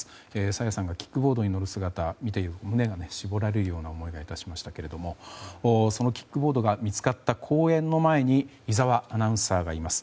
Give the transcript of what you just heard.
朝芽さんがキックボードに乗る姿見ていて胸が絞られるような思いがしましたがそのキックボードが見つかった公園の前に井澤アナウンサーがいます。